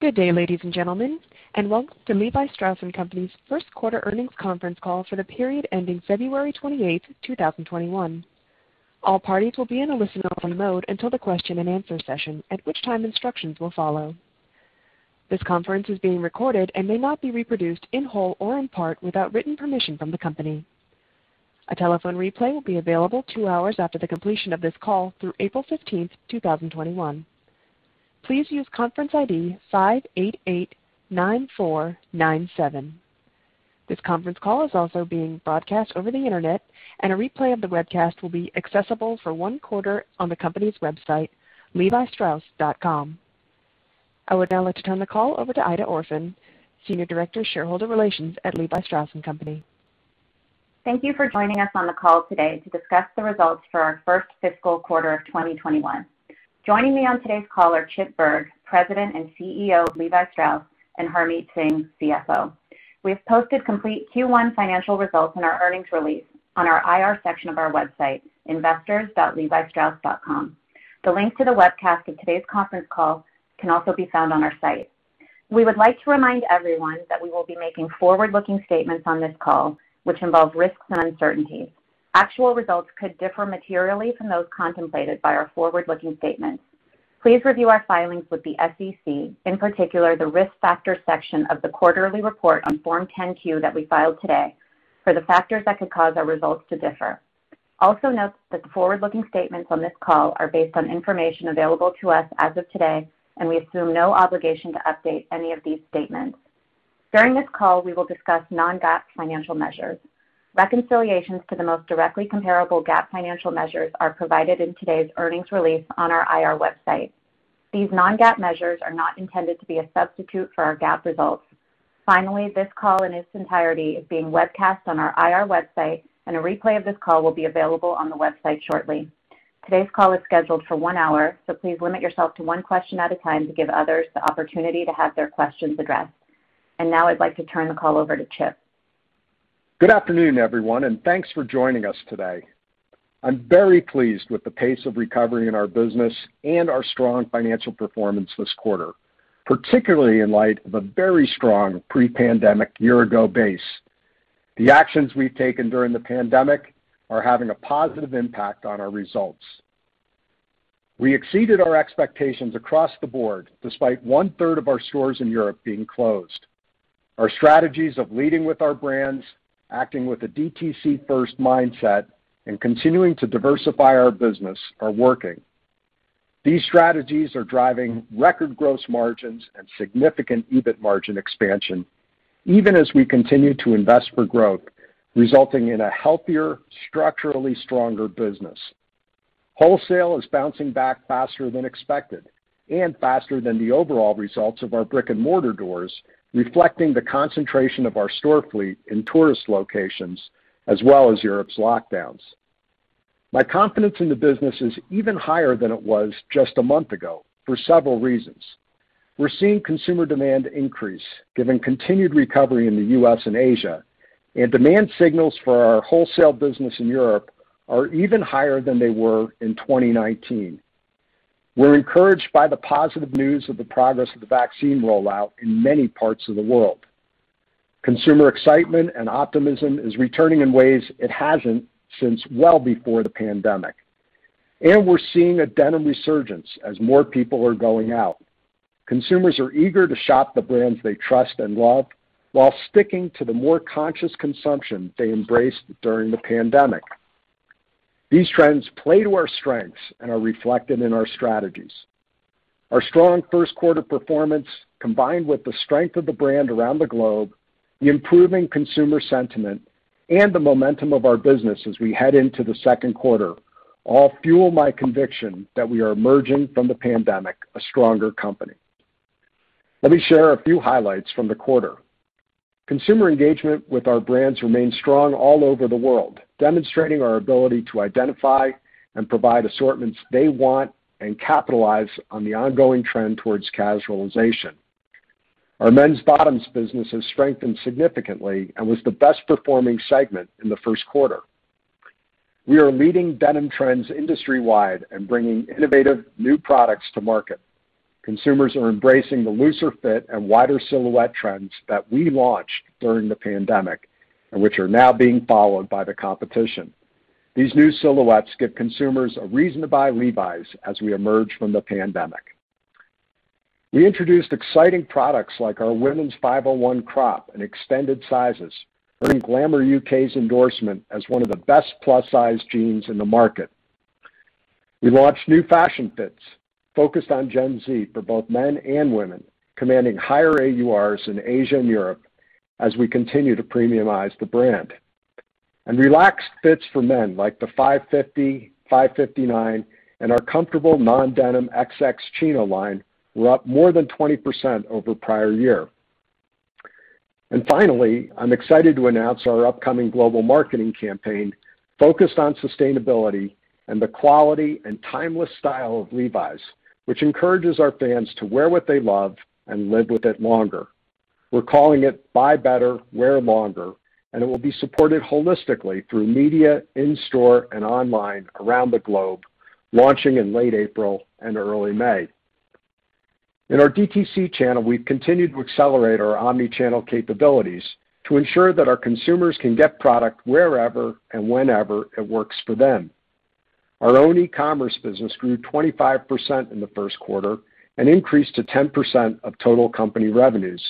Good day, ladies and gentlemen, and welcome to Levi Strauss & Co.'s First Quarter Earnings Conference Call for the period ending February 28, 2021. All parties will be in a listen-only mode until the question-and-answer session, at which time instructions will follow. This conference is being recorded and may not be reproduced in whole or in part without written permission from the company. A telephone replay will be available two hours after the completion of this call through April 15th, 2021. Please use conference ID 5,889,497. This conference call is also being broadcast over the internet, and a replay of the webcast will be accessible for one quarter on the company's website, levistrauss.com. I would now like to turn the call over to Aida Orphan, Senior Director of Shareholder Relations at Levi Strauss & Co. Thank you for joining us on the call today to discuss the results for our first fiscal quarter of 2021. Joining me on today's call are Chip Bergh, President and CEO of Levi Strauss, and Harmit Singh, CFO. We have posted complete Q1 financial results in our earnings release on our IR section of our website, investors.levistrauss.com. The link to the webcast of today's conference call can also be found on our site. We would like to remind everyone that we will be making forward-looking statements on this call, which involve risks and uncertainties. Actual results could differ materially from those contemplated by our forward-looking statements. Please review our filings with the SEC, in particular the Risk Factors section of the quarterly report on Form 10-Q that we filed today, for the factors that could cause our results to differ. Note that the forward-looking statements on this call are based on information available to us as of today, and we assume no obligation to update any of these statements. During this call, we will discuss non-GAAP financial measures. Reconciliations to the most directly comparable GAAP financial measures are provided in today's earnings release on our IR website. These non-GAAP measures are not intended to be a substitute for our GAAP results. This call in its entirety is being webcast on our IR website, and a replay of this call will be available on the website shortly. Today's call is scheduled for one hour, so please limit yourself to one question at a time to give others the opportunity to have their questions addressed. Now I'd like to turn the call over to Chip. Good afternoon, everyone. Thanks for joining us today. I'm very pleased with the pace of recovery in our business and our strong financial performance this quarter, particularly in light of a very strong pre-pandemic year-ago base. The actions we've taken during the pandemic are having a positive impact on our results. We exceeded our expectations across the board, despite 1/3 of our stores in Europe being closed. Our strategies of leading with our brands, acting with a DTC-first mindset, and continuing to diversify our business are working. These strategies are driving record gross margins and significant EBIT margin expansion, even as we continue to invest for growth, resulting in a healthier, structurally stronger business. Wholesale is bouncing back faster than expected and faster than the overall results of our brick-and-mortar doors, reflecting the concentration of our store fleet in tourist locations as well as Europe's lockdowns. My confidence in the business is even higher than it was just a month ago for several reasons. We're seeing consumer demand increase given continued recovery in the U.S. and Asia, and demand signals for our wholesale business in Europe are even higher than they were in 2019. We're encouraged by the positive news of the progress of the vaccine rollout in many parts of the world. Consumer excitement and optimism is returning in ways it hasn't since well before the pandemic. We're seeing a denim resurgence as more people are going out. Consumers are eager to shop the brands they trust and love while sticking to the more conscious consumption they embraced during the pandemic. These trends play to our strengths and are reflected in our strategies. Our strong first quarter performance, combined with the strength of the brand around the globe, the improving consumer sentiment, and the momentum of our business as we head into the second quarter all fuel my conviction that we are emerging from the pandemic a stronger company. Let me share a few highlights from the quarter. Consumer engagement with our brands remains strong all over the world, demonstrating our ability to identify and provide assortments they want and capitalize on the ongoing trend towards casualization. Our men's bottoms business has strengthened significantly and was the best performing segment in the first quarter. We are leading denim trends industry-wide and bringing innovative new products to market. Consumers are embracing the looser fit and wider silhouette trends that we launched during the pandemic and which are now being followed by the competition. These new silhouettes give consumers a reason to buy Levi's as we emerge from the pandemic. We introduced exciting products like our women's 501 Crop in extended sizes, earning Glamour UK's endorsement as one of the best plus-size jeans in the market. We launched new fashion fits focused on Gen Z for both men and women, commanding higher AURs in Asia and Europe as we continue to premiumize the brand. Relaxed fits for men like the 550, 559, and our comfortable non-denim XX Chino line were up more than 20% over prior year. Finally, I'm excited to announce our upcoming global marketing campaign focused on sustainability and the quality and timeless style of Levi's, which encourages our fans to wear what they love and live with it longer. We're calling it Buy Better, Wear Longer, and it will be supported holistically through media, in-store, and online around the globe, launching in late April and early May. In our DTC channel, we've continued to accelerate our omni-channel capabilities to ensure that our consumers can get product wherever and whenever it works for them. Our own e-commerce business grew 25% in the first quarter, an increase to 10% of total company revenues.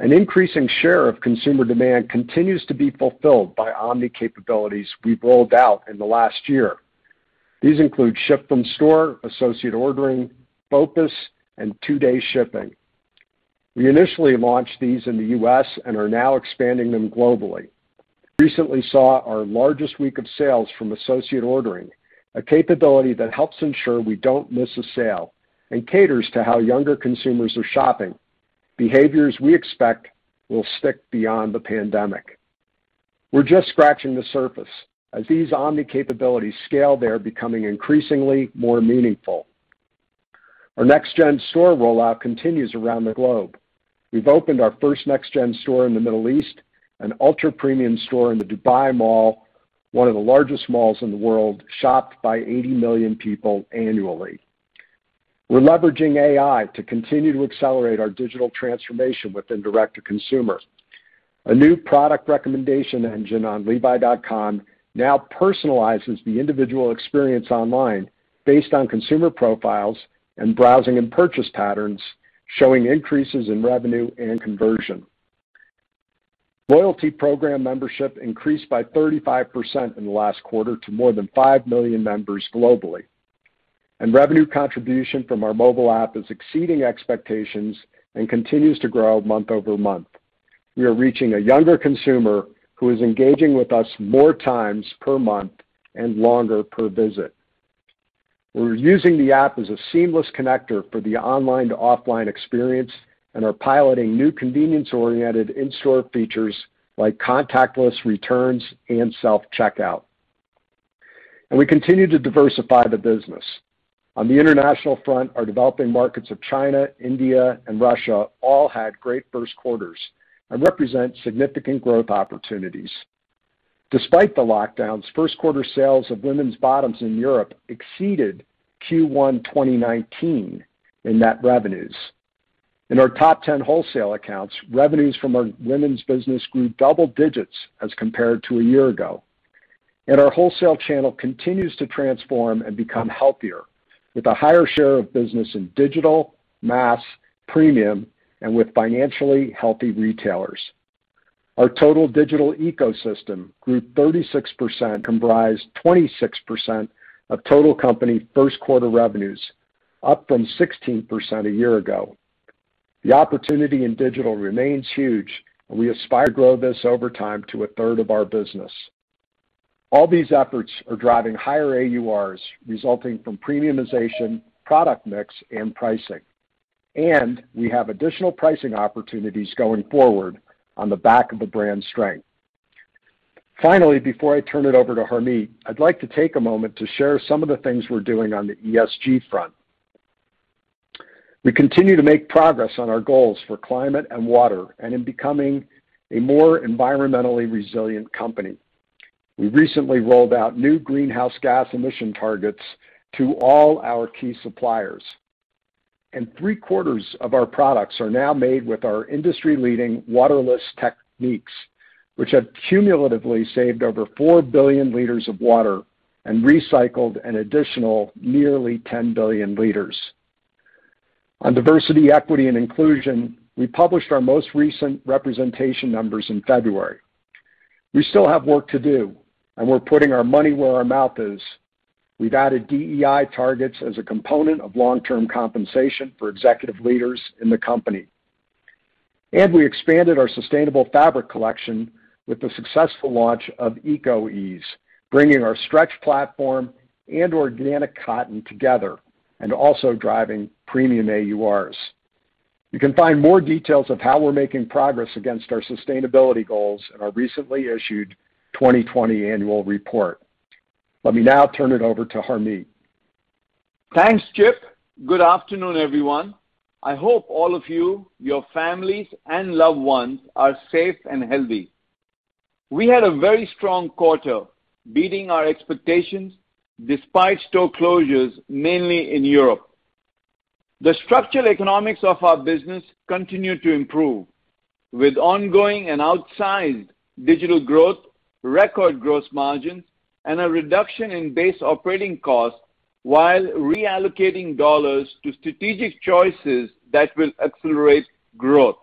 An increasing share of consumer demand continues to be fulfilled by omni capabilities we've rolled out in the last year. These include ship from store, associate ordering, BOPIS, and two-day shipping. We initially launched these in the U.S. and are now expanding them globally. Recently saw our largest week of sales from associate ordering, a capability that helps ensure we don't miss a sale and caters to how younger consumers are shopping, behaviors we expect will stick beyond the pandemic. We're just scratching the surface. As these omni capabilities scale, they are becoming increasingly more meaningful. Our next gen store rollout continues around the globe. We've opened our first next gen store in the Middle East, an ultra-premium store in the Dubai Mall, one of the largest malls in the world, shopped by 80 million people annually. We're leveraging AI to continue to accelerate our digital transformation within direct-to-consumer. A new product recommendation engine on levi.com now personalizes the individual experience online based on consumer profiles and browsing and purchase patterns, showing increases in revenue and conversion. Loyalty program membership increased by 35% in the last quarter to more than five million members globally. Revenue contribution from our mobile app is exceeding expectations and continues to grow month-over-month. We are reaching a younger consumer who is engaging with us more times per month and longer per visit. We're using the app as a seamless connector for the online to offline experience and are piloting new convenience-oriented in-store features like contactless returns and self-checkout. We continue to diversify the business. On the international front, our developing markets of China, India, and Russia all had great first quarters and represent significant growth opportunities. Despite the lockdowns, first quarter sales of women's bottoms in Europe exceeded Q1 2019 in net revenues. In our top 10 wholesale accounts, revenues from our women's business grew double digits as compared to a year ago. Our wholesale channel continues to transform and become healthier with a higher share of business in digital, mass, premium, and with financially healthy retailers. Our total digital ecosystem grew 36%, comprised 26% of total company first quarter revenues, up from 16% a year ago. The opportunity in digital remains huge, and we aspire to grow this over time to a third of our business. All these efforts are driving higher AURs resulting from premiumization, product mix, and pricing. We have additional pricing opportunities going forward on the back of the brand strength. Before I turn it over to Harmit, I'd like to take a moment to share some of the things we're doing on the ESG front. We continue to make progress on our goals for climate and water and in becoming a more environmentally resilient company. We recently rolled out new greenhouse gas emission targets to all our key suppliers. Three-quarters of our products are now made with our industry-leading Water<Less techniques, which have cumulatively saved over 4 billion L of water and recycled an additional nearly 10 billion L. On Diversity, Equity, and Inclusion, we published our most recent representation numbers in February. We still have work to do, and we're putting our money where our mouth is. We've added DEI targets as a component of long-term compensation for executive leaders in the company. We expanded our sustainable fabric collection with the successful launch of Eco Ease, bringing our stretch platform and organic cotton together, and also driving premium AURs. You can find more details of how we're making progress against our sustainability goals in our recently issued 2020 annual report. Let me now turn it over to Harmit. Thanks, Chip. Good afternoon, everyone. I hope all of you, your families, and loved ones are safe and healthy. We had a very strong quarter, beating our expectations despite store closures, mainly in Europe. The structural economics of our business continue to improve, with ongoing and outsized digital growth, record gross margins, and a reduction in base operating costs while reallocating dollars to strategic choices that will accelerate growth.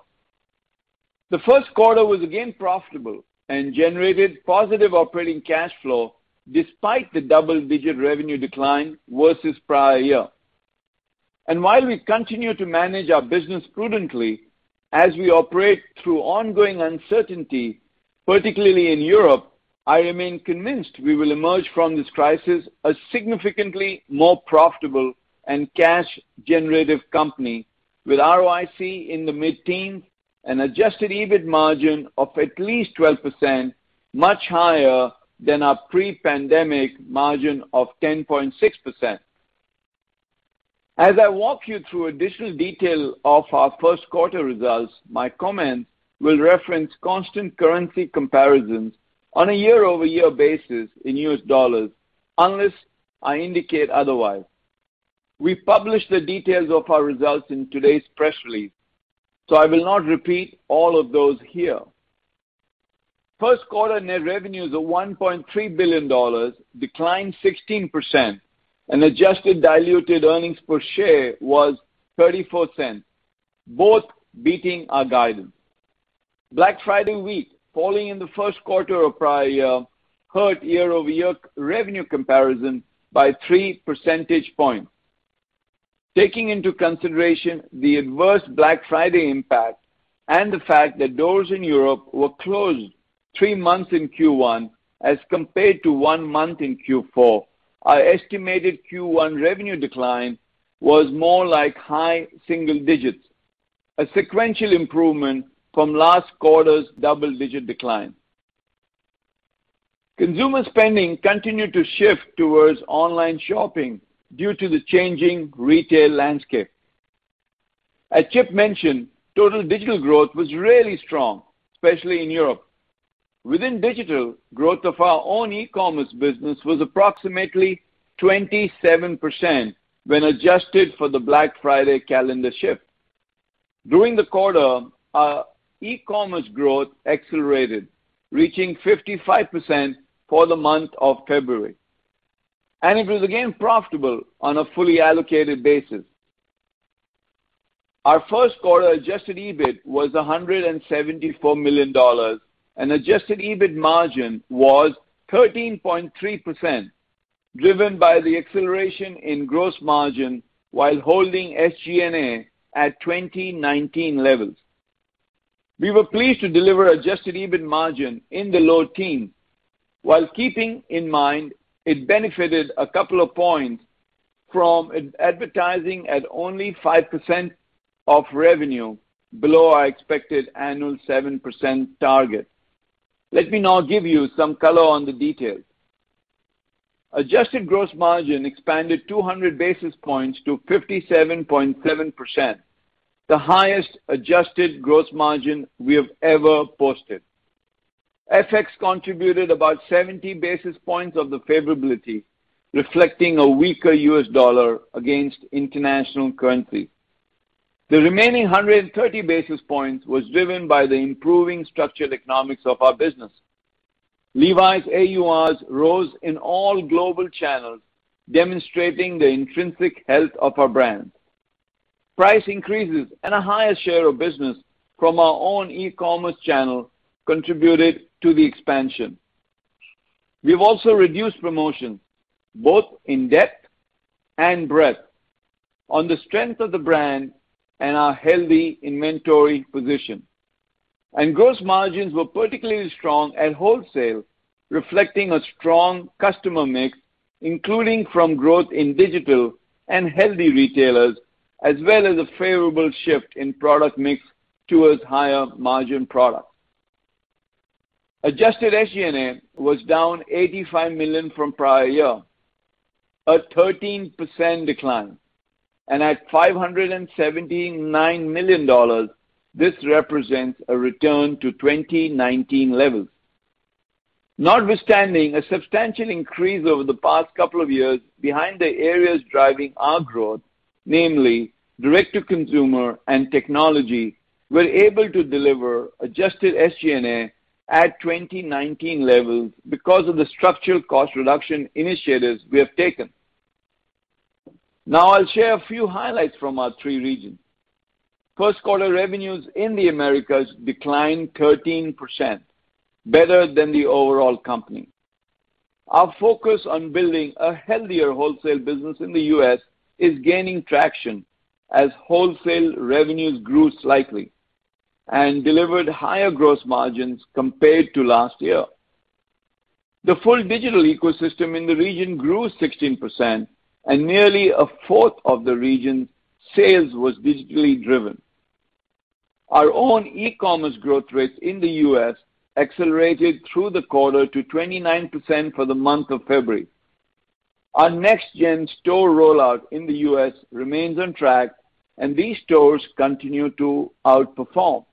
The first quarter was again profitable and generated positive operating cash flow despite the double-digit revenue decline versus prior year. While we continue to manage our business prudently, as we operate through ongoing uncertainty, particularly in Europe, I remain convinced we will emerge from this crisis a significantly more profitable and cash generative company with ROIC in the mid-10s and adjusted EBIT margin of at least 12%, much higher than our pre-pandemic margin of 10.6%. As I walk you through additional detail of our first quarter results, my comments will reference constant currency comparisons on a year-over-year basis in U.S. dollars, unless I indicate otherwise. We published the details of our results in today's press release, so I will not repeat all of those here. First quarter net revenues of $1.3 billion, declined 16%, and adjusted diluted earnings per share was $0.34, both beating our guidance. Black Friday week, falling in the first quarter of prior year, hurt year-over-year revenue comparison by three percentage points. Taking into consideration the adverse Black Friday impact and the fact that doors in Europe were closed three months in Q1 as compared to one month in Q4, our estimated Q1 revenue decline was more like high single digits. A sequential improvement from last quarter's double-digit decline. Consumer spending continued to shift towards online shopping due to the changing retail landscape. As Chip mentioned, total digital growth was really strong, especially in Europe. Within digital, growth of our own e-commerce business was approximately 27% when adjusted for the Black Friday calendar shift. During the quarter, our e-commerce growth accelerated, reaching 55% for the month of February, and it was again profitable on a fully allocated basis. Our first quarter adjusted EBIT was $174 million, and adjusted EBIT margin was 13.3%, driven by the acceleration in gross margin while holding SG&A at 2019 levels. We were pleased to deliver adjusted EBIT margin in the low 10s while keeping in mind it benefited a couple of points from advertising at only 5% of revenue below our expected annual 7% target. Let me now give you some color on the details. Adjusted gross margin expanded 200 basis points to 57.7%, the highest adjusted gross margin we have ever posted. FX contributed about 70 basis points of the favorability, reflecting a weaker U.S. dollar against international currency. The remaining 130 basis points was driven by the improving structural economics of our business. Levi's AURs rose in all global channels, demonstrating the intrinsic health of our brand. Price increases and a higher share of business from our own e-commerce channel contributed to the expansion. We've also reduced promotions, both in depth and breadth, on the strength of the brand and our healthy inventory position. Gross margins were particularly strong at wholesale, reflecting a strong customer mix, including from growth in digital and healthy retailers, as well as a favorable shift in product mix towards higher margin products. Adjusted SG&A was down $85 million from prior year, a 13% decline, and at $579 million, this represents a return to 2019 levels. Notwithstanding a substantial increase over the past couple of years behind the areas driving our growth, namely direct to consumer and technology, we're able to deliver adjusted SG&A at 2019 levels because of the structural cost reduction initiatives we have taken. I'll share a few highlights from our three regions. First quarter revenues in the Americas declined 13%, better than the overall company. Our focus on building a healthier wholesale business in the U.S. is gaining traction as wholesale revenues grew slightly and delivered higher gross margins compared to last year. The full digital ecosystem in the region grew 16%, and nearly 1/4 of the region's sales was digitally driven. Our own e-commerce growth rate in the U.S. accelerated through the quarter to 29% for the month of February. Our next gen store rollout in the U.S. remains on track and these stores continue to outperform.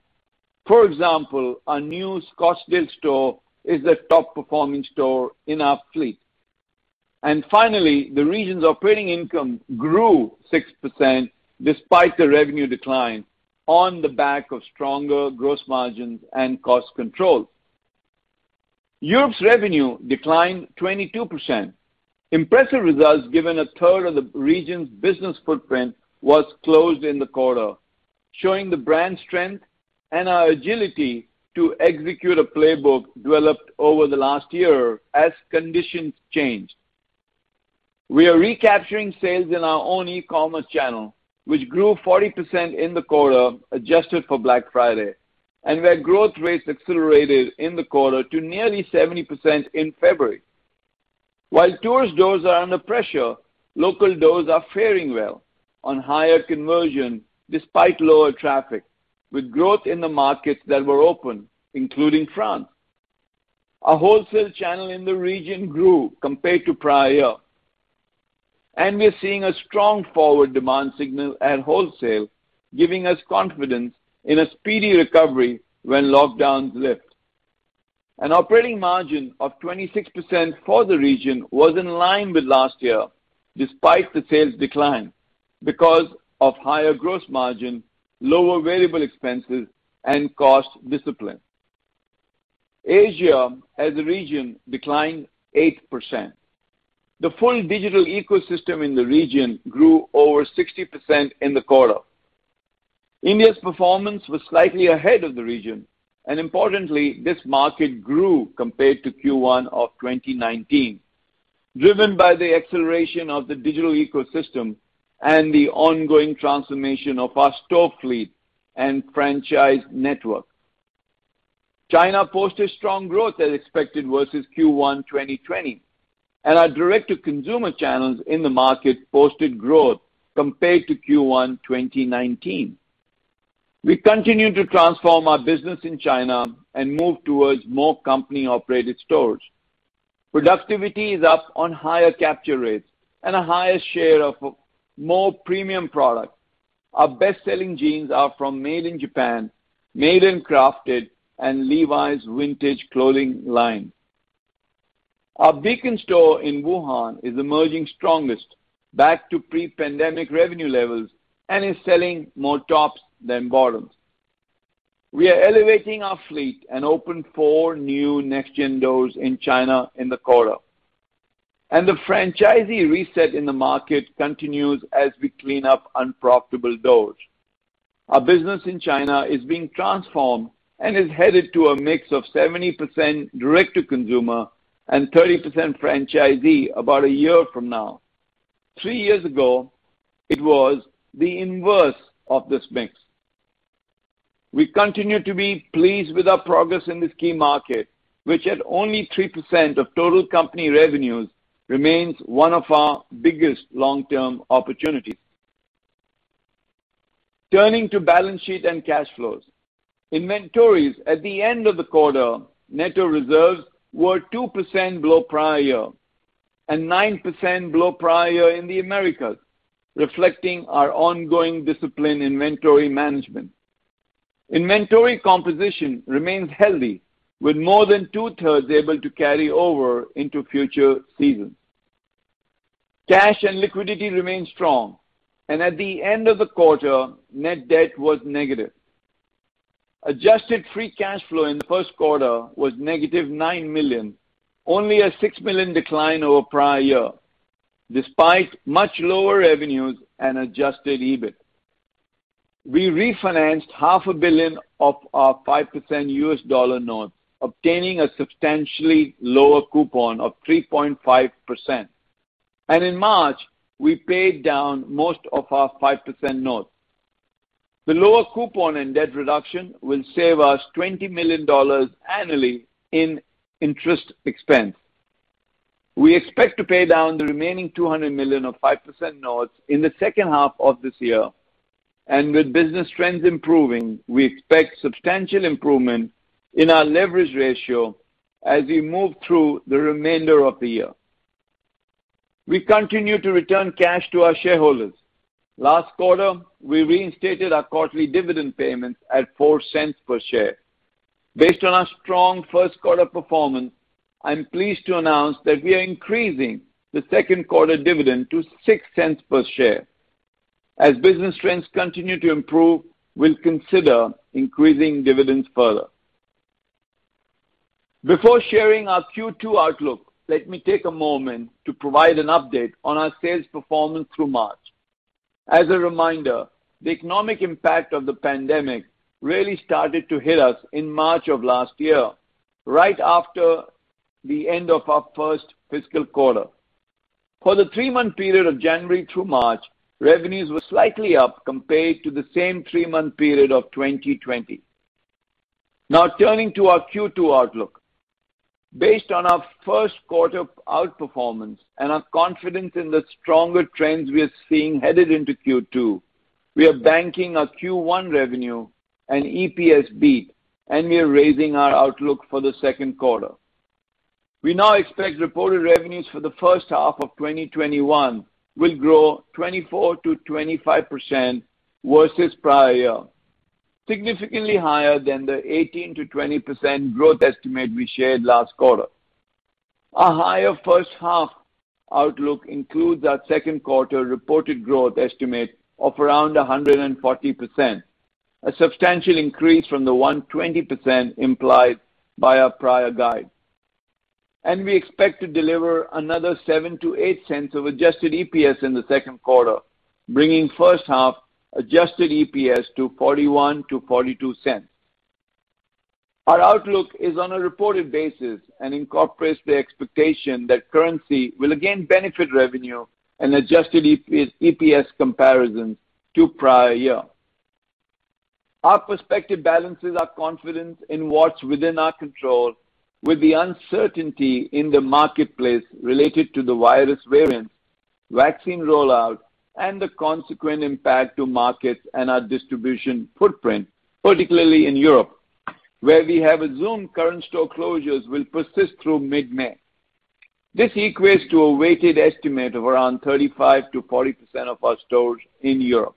For example, our new Scottsdale store is the top performing store in our fleet. Finally, the region's operating income grew 6% despite the revenue decline on the back of stronger gross margins and cost control. Europe's revenue declined 22%. Impressive results given 1/3 of the region's business footprint was closed in the quarter, showing the brand strength and our agility to execute a playbook developed over the last year as conditions changed. We are recapturing sales in our own e-commerce channel, which grew 40% in the quarter, adjusted for Black Friday, where growth rates accelerated in the quarter to nearly 70% in February. While tourist doors are under pressure, local doors are faring well on higher conversion despite lower traffic, with growth in the markets that were open, including France. Our wholesale channel in the region grew compared to prior year. We are seeing a strong forward demand signal at wholesale, giving us confidence in a speedy recovery when lockdowns lift. An operating margin of 26% for the region was in line with last year despite the sales decline because of higher gross margin, lower variable expenses, and cost discipline. Asia as a region declined 8%. The full digital ecosystem in the region grew over 60% in the quarter. India's performance was slightly ahead of the region. Importantly, this market grew compared to Q1 2019, driven by the acceleration of the digital ecosystem and the ongoing transformation of our store fleet and franchise network. China posted strong growth as expected versus Q1 2020, and our direct-to-consumer channels in the market posted growth compared to Q1 2019. We continue to transform our business in China and move towards more company-operated stores. Productivity is up on higher capture rates and a higher share of more premium product. Our best-selling jeans are from Levi's Made in Japan, Levi's Made & Crafted, and Levi's Vintage Clothing. Our beacon store in Wuhan is emerging strongest, back to pre-pandemic revenue levels, and is selling more tops than bottoms. We are elevating our fleet and opened four new next-gen doors in China in the quarter. The franchisee reset in the market continues as we clean up unprofitable doors. Our business in China is being transformed and is headed to a mix of 70% direct to consumer and 30% franchisee about a year from now. Three years ago, it was the inverse of this mix. We continue to be pleased with our progress in this key market, which at only 3% of total company revenues, remains one of our biggest long-term opportunities. Turning to balance sheet and cash flows. Inventories at the end of the quarter, net of reserves, were 2% below prior year and 9% below prior year in the Americas, reflecting our ongoing discipline in inventory management. Inventory composition remains healthy, with more than 2/3 able to carry over into future seasons. Cash and liquidity remain strong. At the end of the quarter, net debt was negative. Adjusted free cash flow in the first quarter was -$9 million, only a $6 million decline over prior year, despite much lower revenues and adjusted EBIT. We refinanced $0.5 billion of our 5% U.S. dollar notes, obtaining a substantially lower coupon of 3.5%. In March, we paid down most of our 5% notes. The lower coupon and debt reduction will save us $20 million annually in interest expense. We expect to pay down the remaining $200 million of 5% notes in the second half of this year. With business trends improving, we expect substantial improvement in our leverage ratio as we move through the remainder of the year. We continue to return cash to our shareholders. Last quarter, we reinstated our quarterly dividend payments at $0.04 per share. Based on our strong first quarter performance, I am pleased to announce that we are increasing the second quarter dividend to $0.06 per share. As business trends continue to improve, we will consider increasing dividends further. Before sharing our Q2 outlook, let me take a moment to provide an update on our sales performance through March. As a reminder, the economic impact of the pandemic really started to hit us in March of last year, right after the end of our first fiscal quarter. For the three-month period of January through March, revenues were slightly up compared to the same three-month period of 2020. Now turning to our Q2 outlook. Based on our first quarter outperformance and our confidence in the stronger trends we are seeing headed into Q2, we are banking our Q1 revenue and EPS beat. We are raising our outlook for the second quarter. We now expect reported revenues for the first half of 2021 will grow 24%-25% versus prior year, significantly higher than the 18%-20% growth estimate we shared last quarter. Our higher first half outlook includes our second quarter reported growth estimate of around 140%, a substantial increase from the 120% implied by our prior guide. We expect to deliver another $0.07-$0.08 of adjusted EPS in the second quarter, bringing first half adjusted EPS to $0.41-$0.42. Our outlook is on a reported basis and incorporates the expectation that currency will again benefit revenue and adjusted EPS comparisons to prior year. Our perspective balance is our confidence in what's within our control with the uncertainty in the marketplace related to the virus variants, vaccine rollout and the consequent impact to markets and our distribution footprint, particularly in Europe, where we have assumed current store closures will persist through mid-May. This equates to a weighted estimate of around 35%-40% of our stores in Europe.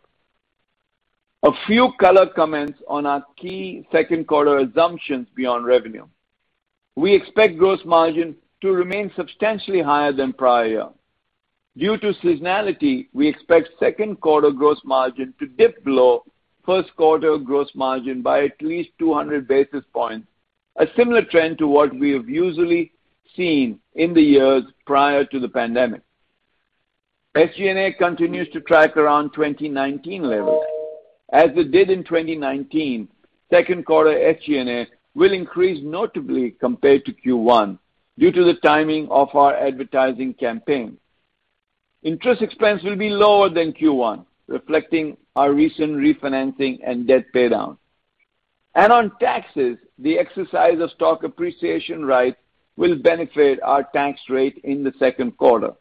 A few color comments on our key second quarter assumptions beyond revenue. We expect gross margin to remain substantially higher than prior year. Due to seasonality, we expect second quarter gross margin to dip below first quarter gross margin by at least 200 basis points, a similar trend to what we have usually seen in the years prior to the pandemic. SG&A continues to track around 2019 levels. As it did in 2019, second quarter SG&A will increase notably compared to Q1 due to the timing of our advertising campaign. Interest expense will be lower than Q1, reflecting our recent refinancing and debt paydown. On taxes, the exercise of stock appreciation rights will benefit our tax rate in the second quarter.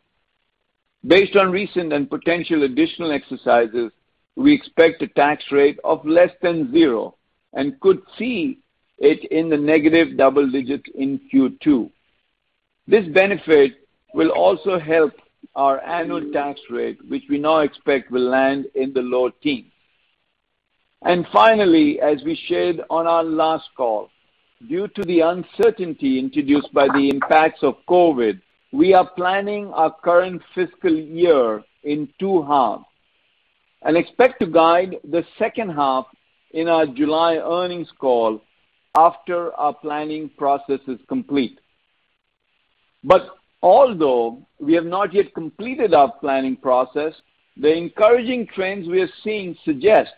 Based on recent and potential additional exercises, we expect a tax rate of less than zero and could see it in the negative double digits in Q2. This benefit will also help our annual tax rate, which we now expect will land in the low 10s. Finally, as we shared on our last call, due to the uncertainty introduced by the impacts of COVID, we are planning our current fiscal year in two halves and expect to guide the second half in our July earnings call after our planning process is complete. Although we have not yet completed our planning process, the encouraging trends we are seeing suggest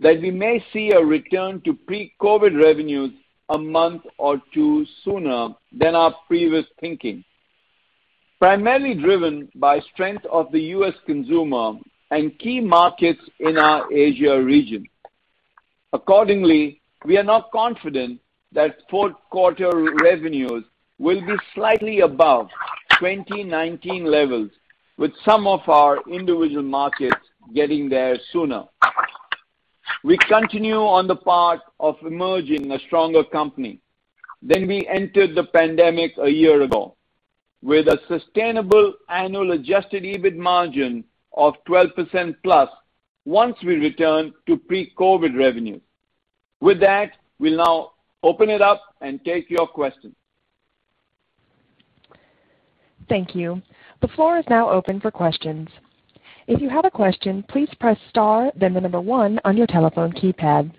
that we may see a return to pre-COVID revenues a month or two sooner than our previous thinking, primarily driven by strength of the U.S. consumer and key markets in our Asia region. Accordingly, we are now confident that fourth quarter revenues will be slightly above 2019 levels with some of our individual markets getting there sooner. We continue on the path of emerging a stronger company than we entered the pandemic a year ago, with a sustainable annual adjusted EBIT margin of 12%+ once we return to pre-COVID revenues. With that, we'll now open it up and take your questions. Thank you. The floor is now open for questions. If you have a question, please press star then the number one on your telephone keypad.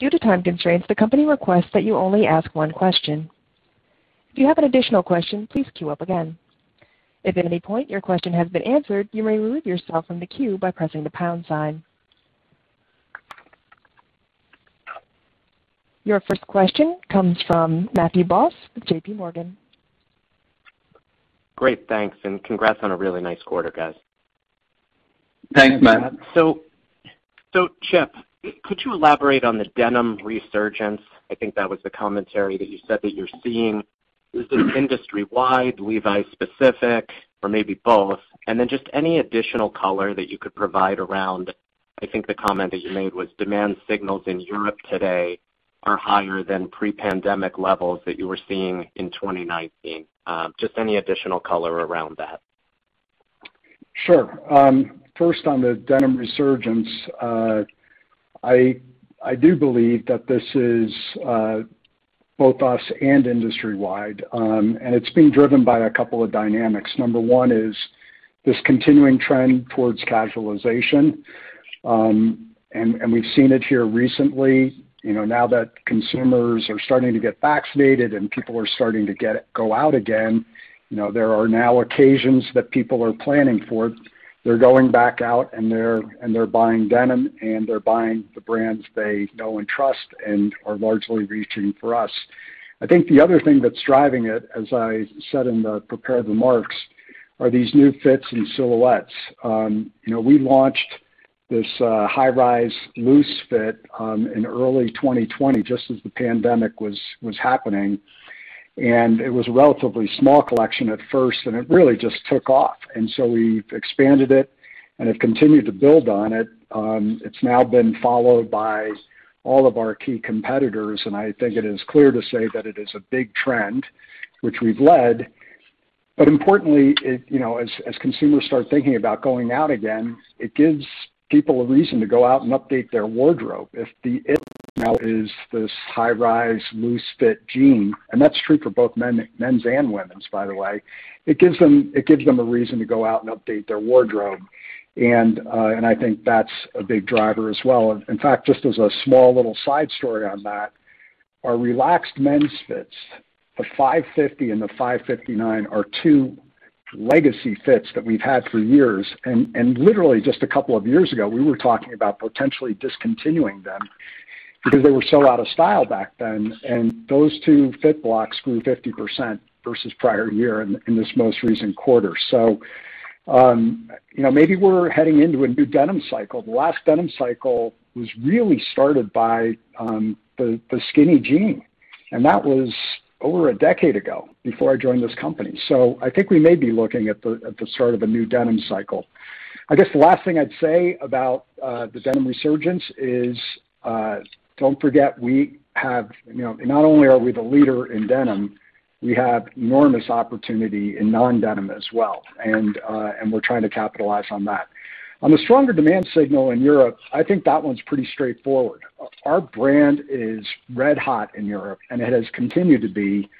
Due to time constraints, the company requests that you only ask one question. If you have an additional question, please queue up again. If at any point your question has been answered, you may remove yourself from the queue by pressing the pound sign. Your first question comes from Matthew Boss with JPMorgan. Great, thanks, and congrats on a really nice quarter, guys. Thanks, Matt. Chip, could you elaborate on the denim resurgence? I think that was the commentary that you said that you're seeing. Is it industry-wide, Levi's specific, or maybe both? Just any additional color that you could provide around, I think the comment that you made was demand signals in Europe today are higher than pre-pandemic levels that you were seeing in 2019. Just any additional color around that. Sure. First on the denim resurgence. I do believe that this is both us and industry-wide. It's being driven by a couple of dynamics. Number one is this continuing trend towards casualization, and we've seen it here recently. Now that consumers are starting to get vaccinated and people are starting to go out again, there are now occasions that people are planning for. They're going back out, and they're buying denim, and they're buying the brands they know and trust and are largely reaching for us. I think the other thing that's driving it, as I said in the prepared remarks, are these new fits and silhouettes. We launched this high rise loose fit in early 2020, just as the pandemic was happening, and it was a relatively small collection at first, and it really just took off. We've expanded it and have continued to build on it. It's now been followed by all of our key competitors, and I think it is clear to say that it is a big trend, which we've led. Importantly, as consumers start thinking about going out again, it gives people a reason to go out and update their wardrobe. If the it now is this high rise, loose fit jean, and that's true for both men's and women's, by the way, it gives them a reason to go out and update their wardrobe. I think that's a big driver as well. In fact, just as a small little side story on that, our relaxed men's fits, the 550 and the 559, are two legacy fits that we've had for years. Literally just a couple of years ago, we were talking about potentially discontinuing them because they were so out of style back then. Those two fit blocks grew 50% versus prior year in this most recent quarter. Maybe we're heading into a new denim cycle. The last denim cycle was really started by the skinny jean. That was over a decade ago, before I joined this company. I think we may be looking at the start of a new denim cycle. I guess the last thing I'd say about the denim resurgence is, don't forget, not only are we the leader in denim, we have enormous opportunity in non-denim as well, and we're trying to capitalize on that. On the stronger demand signal in Europe, I think that one's pretty straightforward. Our brand is red hot in Europe, and it has continued to be,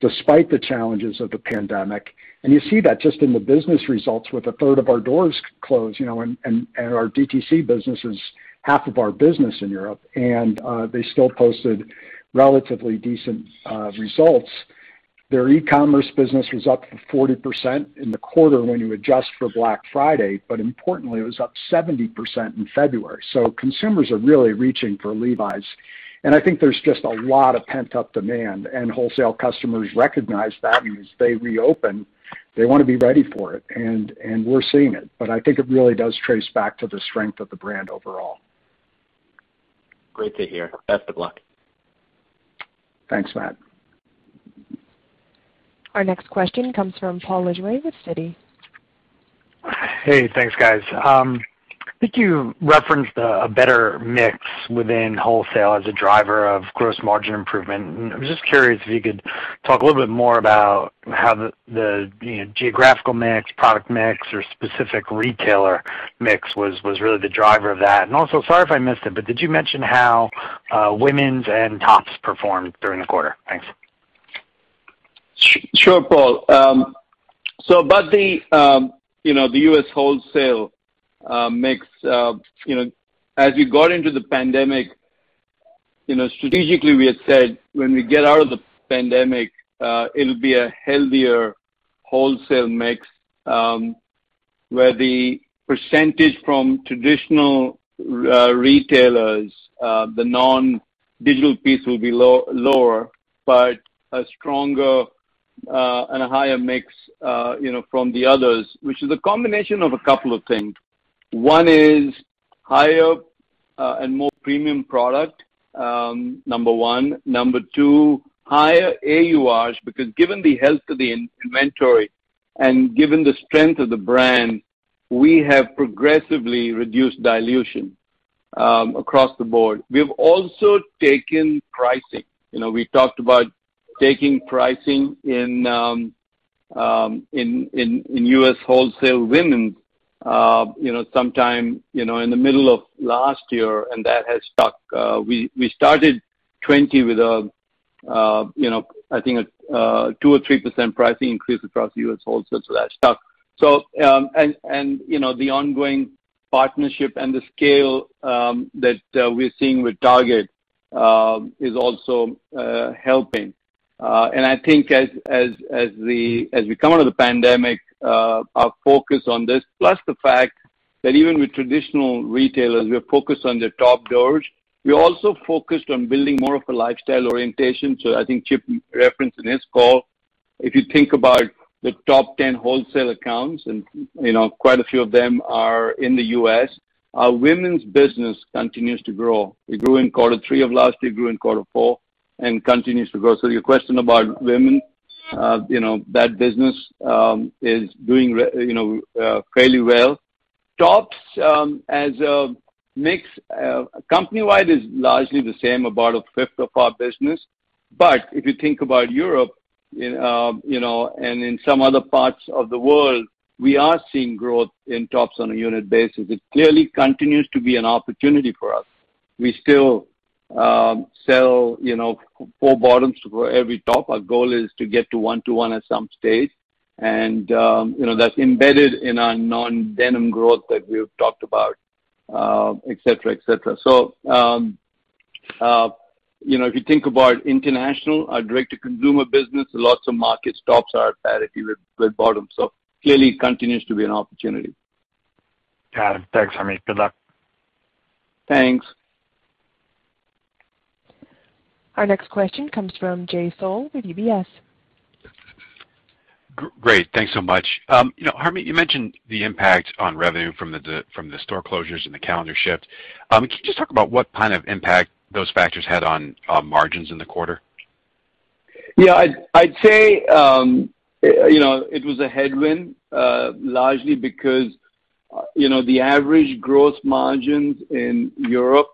despite the challenges of the pandemic. You see that just in the business results with a third of our doors closed, and our DTC business is 1/2 of our business in Europe, and they still posted relatively decent results. Their e-commerce business was up 40% in the quarter when you adjust for Black Friday. Importantly, it was up 70% in February. Consumers are really reaching for Levi's. I think there's just a lot of pent-up demand. Wholesale customers recognize that. As they reopen, they want to be ready for it. We're seeing it, but I think it really does trace back to the strength of the brand overall. Great to hear. Best of luck. Thanks, Matt. Our next question comes from Paul Lejuez with Citi. Hey, thanks guys. I think you referenced a better mix within wholesale as a driver of gross margin improvement. I was just curious if you could talk a little bit more about how the geographical mix, product mix, or specific retailer mix was really the driver of that. Also, sorry if I missed it, did you mention how women's and tops performed during the quarter? Thanks. Sure, Paul. About the U.S. wholesale mix. As we got into the pandemic, strategically we had said, when we get out of the pandemic, it'll be a healthier wholesale mix, where the percentage from traditional retailers, the non-digital piece will be lower, but a stronger and a higher mix from the others, which is a combination of a couple of things. One is higher and more premium product, number one. Number two, higher AURs, because given the health of the inventory and given the strength of the brand, we have progressively reduced dilution across the board. We have also taken pricing. We talked about taking pricing in U.S. wholesale women sometime in the middle of last year, and that has stuck. We started 2020 with, I think, a 2% or 3% pricing increase across U.S. wholesale, that stuck. The ongoing partnership and the scale that we're seeing with Target is also helping. I think as we come out of the pandemic, our BOPIS on this, plus the fact that even with traditional retailers, we are focused on their top doors. We also focused on building more of a lifestyle orientation. I think Chip referenced in his call, if you think about the top 10 wholesale accounts, and quite a few of them are in the U.S., our women's business continues to grow. It grew in quarter three of last year, it grew in quarter four and continues to grow. Your question about women, that business is doing fairly well. Tops as a mix, company-wide, is largely the same, about 1/5 of our business. If you think about Europe, and in some other parts of the world, we are seeing growth in tops on a unit basis. It clearly continues to be an opportunity for us. We still sell four bottoms for every top. Our goal is to get to 1:1 at some stage. That's embedded in our non-denim growth that we've talked about, et cetera. If you think about international, our direct-to-consumer business, lots of market tops are at parity with bottoms. Clearly, it continues to be an opportunity. Got it. Thanks, Harmit. Good luck. Thanks. Our next question comes from Jay Sole with UBS. Great. Thanks so much. Harmit, you mentioned the impact on revenue from the store closures and the calendar shift. Can you just talk about what kind of impact those factors had on margins in the quarter? Yeah, I'd say it was a headwind, largely because the average gross margins in Europe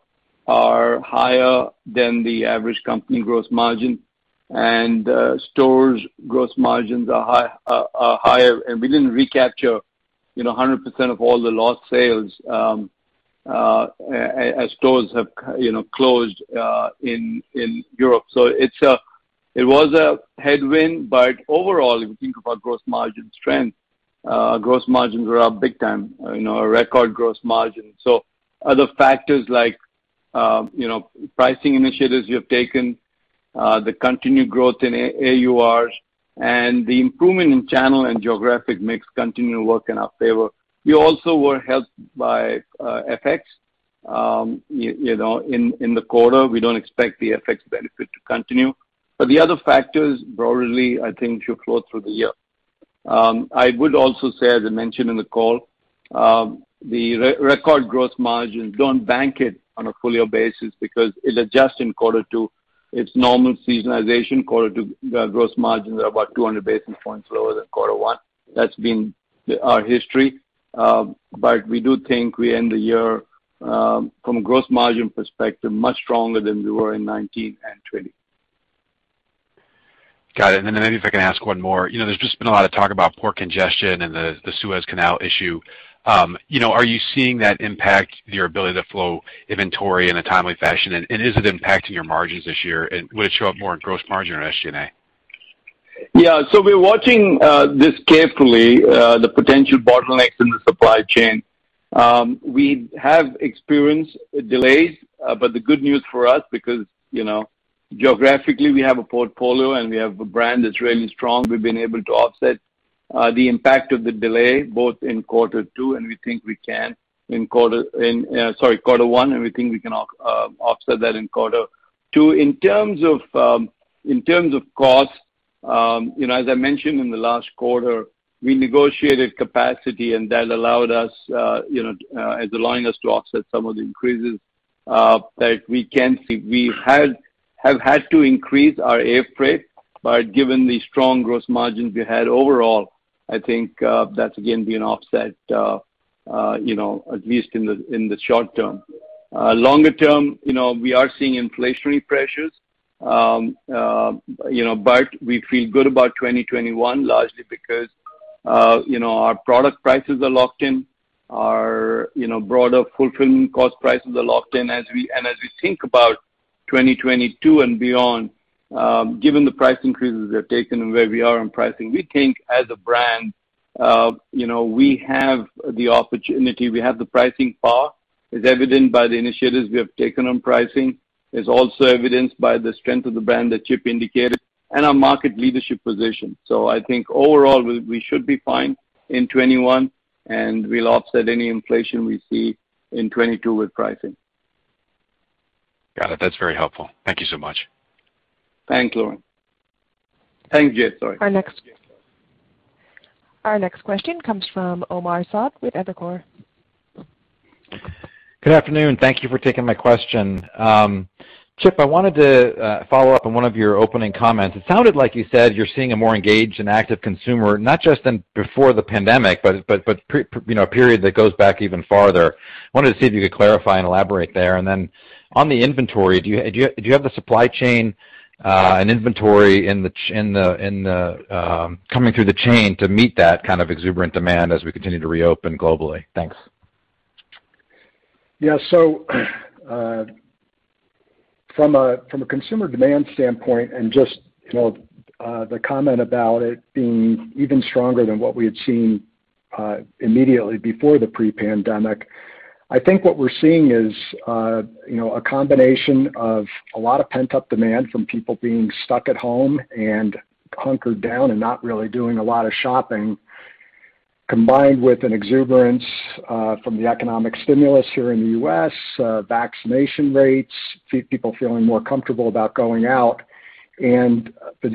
are higher than the average company gross margin, and stores' gross margins are higher. We didn't recapture 100% of all the lost sales as stores have closed in Europe. It was a headwind, but overall, if you think about gross margin strength, gross margins were up big time, a record gross margin. Other factors like pricing initiatives we have taken, the continued growth in AURs, and the improvement in channel and geographic mix continue to work in our favor. We also were helped by FX in the quarter. We don't expect the FX benefit to continue, but the other factors broadly, I think, should flow through the year. I would also say, as I mentioned in the call, the record gross margins, don't bank it on a full-year basis because it adjusts in Q2. Its normal seasonalization Q2 gross margins are about 200 basis points lower than Q1. That's been our history. We do think we end the year, from a gross margin perspective, much stronger than we were in 2019 and 2020. Got it. Maybe if I can ask one more. There's just been a lot of talk about port congestion and the Suez Canal issue. Are you seeing that impact your ability to flow inventory in a timely fashion, and is it impacting your margins this year? Will it show up more in gross margin or SG&A? Yeah. We're watching this carefully, the potential bottlenecks in the supply chain. We have experienced delays, but the good news for us, because geographically we have a portfolio and we have a brand that's really strong, we've been able to offset the impact of the delay both in quarter two, and we think we can in sorry, quarter one, and we think we can offset that in quarter two. In terms of cost, as I mentioned in the last quarter, we negotiated capacity, and that is allowing us to offset some of the increases that we can see. We have had to increase our air freight, but given the strong gross margins we had overall, I think that's again been offset, at least in the short term. Longer term, we are seeing inflationary pressures. We feel good about 2021 largely because our product prices are locked in. Our broader fulfillment cost prices are locked in. As we think about 2022 and beyond, given the price increases we have taken and where we are on pricing, we think as a brand, we have the opportunity. We have the pricing power, as evident by the initiatives we have taken on pricing. It's also evidenced by the strength of the brand that Chip indicated and our market leadership position. I think overall, we should be fine in 2021, and we'll offset any inflation we see in 2022 with pricing. Got it. That's very helpful. Thank you so much. Thanks, Lorraine. Thanks, Jay, sorry. Our next question comes from Omar Saad with Evercore. Good afternoon. Thank you for taking my question. Chip, I wanted to follow up on one of your opening comments. It sounded like you said you're seeing a more engaged and active consumer, not just than before the pandemic, but a period that goes back even farther. Wanted to see if you could clarify and elaborate there. Then on the inventory, do you have the supply chain and inventory coming through the chain to meet that kind of exuberant demand as we continue to reopen globally? Thanks. Yeah. From a consumer demand standpoint, and just the comment about it being even stronger than what we had seen immediately before the pre-pandemic, I think what we're seeing is a combination of a lot of pent-up demand from people being stuck at home and hunkered down and not really doing a lot of shopping, combined with an exuberance from the economic stimulus here in the U.S., vaccination rates, people feeling more comfortable about going out, and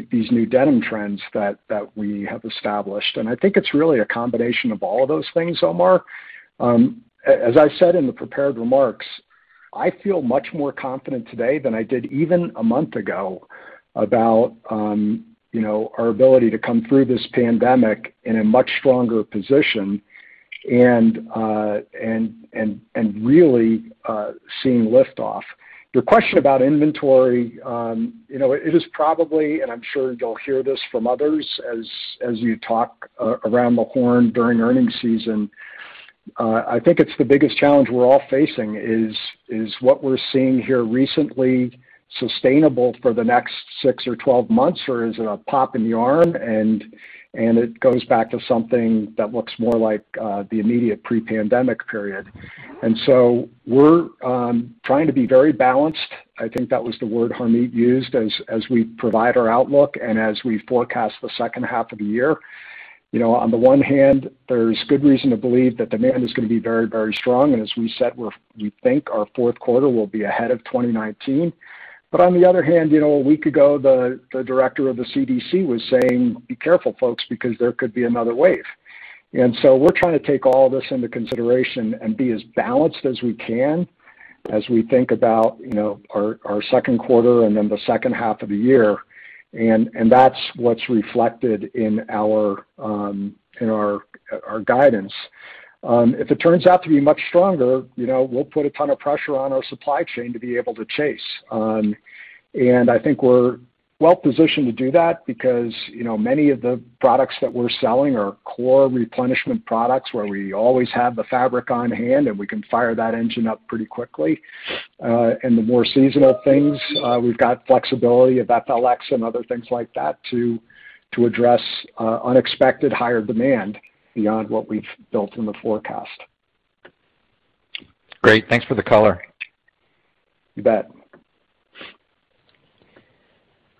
these new denim trends that we have established. I think it's really a combination of all of those things, Omar. As I said in the prepared remarks, I feel much more confident today than I did even a month ago about our ability to come through this pandemic in a much stronger position and really seeing lift off. Your question about inventory, it is probably, and I'm sure you'll hear this from others as you talk around the horn during earnings season, I think it's the biggest challenge we're all facing is what we're seeing here recently sustainable for the next six or 12 months, or is it a pop in the arm and it goes back to something that looks more like the immediate pre-pandemic period? We're trying to be very balanced. I think that was the word Harmit used as we provide our outlook and as we forecast the second half of the year. On the one hand, there's good reason to believe that demand is going to be very, very strong. As we said, we think our fourth quarter will be ahead of 2019. On the other hand, a week ago, the director of the CDC was saying, "Be careful, folks, because there could be another wave." We're trying to take all this into consideration and be as balanced as we can as we think about our second quarter and then the second half of the year. That's what's reflected in our guidance. If it turns out to be much stronger, we'll put a ton of pressure on our supply chain to be able to chase. I think we're well-positioned to do that because many of the products that we're selling are core replenishment products where we always have the fabric on hand, and we can fire that engine up pretty quickly. The more seasonal things, we've got flexibility at FLX and other things like that to address unexpected higher demand beyond what we've built in the forecast. Great. Thanks for the color. You bet.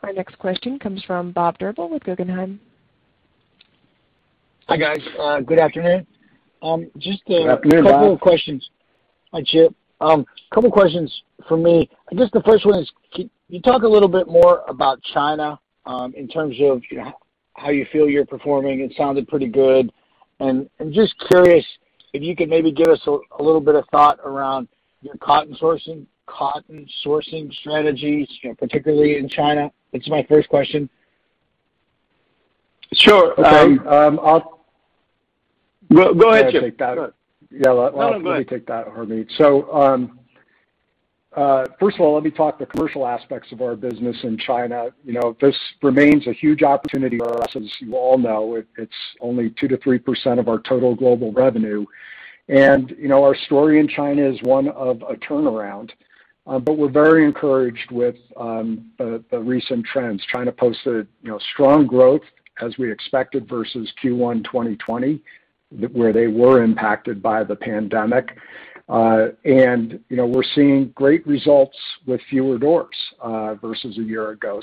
Our next question comes from Bob Drbul with Guggenheim. Hi, guys. Good afternoon. Good afternoon, Bob. Just a couple of questions. Hi, Chip. A couple questions from me. I guess the first one is, can you talk a little bit more about China, in terms of how you feel you're performing? It sounded pretty good. I'm just curious if you could maybe give us a little bit of thought around your cotton sourcing strategies, particularly in China. That's my first question. Sure. Okay. Go ahead, Chip. May I take that? No, no. Go ahead. Let me take that, Harmit. First of all, let me talk the commercial aspects of our business in China. This remains a huge opportunity for us. As you all know, it's only 2%-3% of our total global revenue. Our story in China is one of a turnaround. We're very encouraged with the recent trends. China posted strong growth, as we expected, versus Q1 2020, where they were impacted by the pandemic. We're seeing great results with fewer doors versus a year ago.